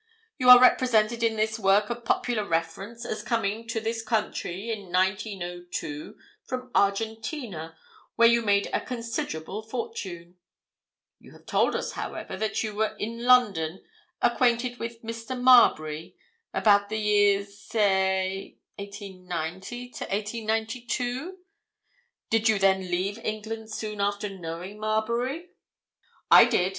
You are represented in this work of popular reference as coming to this country in 1902, from Argentina, where you made a considerable fortune. You have told us, however, that you were in London, acquainted with Marbury, about the years, say 1890 to 1892. Did you then leave England soon after knowing Marbury?" "I did.